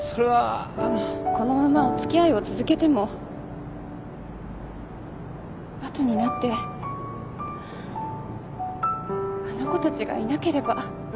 このままお付き合いを続けても後になってあの子たちがいなければ。